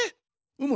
うむ。